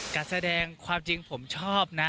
การแสดงความจริงผมชอบนะ